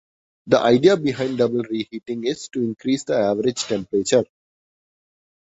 The idea behind double reheating is to increase the average temperature.